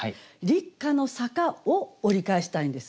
「立夏の坂」を折り返したいんです。